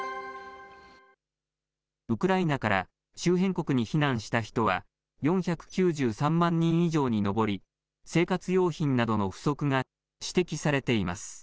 ウクライナから周辺国に避難した人は、４９３万人以上に上り、生活用品などの不足が指摘されています。